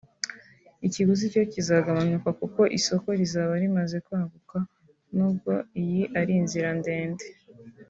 ikiguzi na cyo kizagabanuka kuko isoko rizaba rimaze kwaguka nubwo iyi ari inzira ndende